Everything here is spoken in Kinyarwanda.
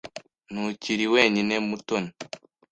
Ntukiri wenyine, Mutoni.